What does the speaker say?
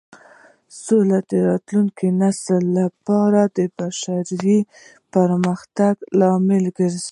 سوله د راتلونکي نسل لپاره د بشپړ پرمختګ لامل ګرځي.